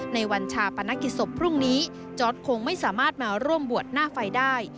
ในวันชาปนกิจศพพรุ่งนี้จอร์ดคงไม่สามารถมาร่วมบวชหน้าไฟได้